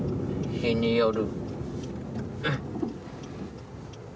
日による。